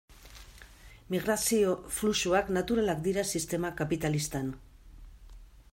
Migrazio fluxuak naturalak dira sistema kapitalistan.